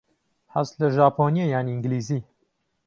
حەزت لە ژاپۆنییە یان ئینگلیزی؟